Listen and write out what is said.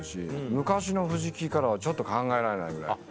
昔の藤木からはちょっと考えられないぐらい。